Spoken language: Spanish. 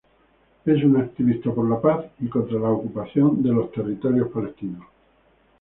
Es un activista por la paz y contra la ocupación en los Territorios Palestinos.